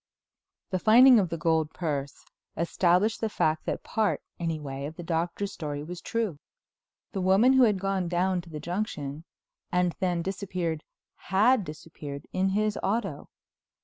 IX The finding of the gold purse established the fact that part, anyway, of the Doctor's story was true—the woman who had gone down to the junction and then disappeared had disappeared in his auto.